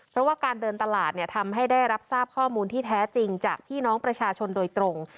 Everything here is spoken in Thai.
เพราะว่าการเดินตลาดทำให้ได้รับทราบข้อมูลที่แท้จริงจากพี่น้องประชาชนโดยตรง